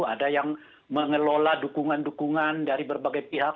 ada yang mengelola dukungan dukungan dari berbagai pihak